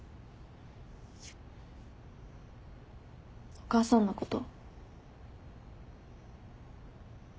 お母さんのこと。